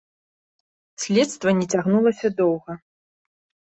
Следства не цягнулася доўга.